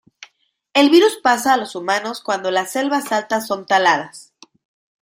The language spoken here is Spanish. El virus pasa a los humanos cuando las selvas altas son taladas.